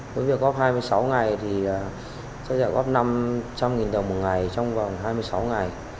với việc góp hai mươi sáu ngày thì sẽ trợ góp năm trăm linh đồng một ngày trong vòng hai mươi sáu ngày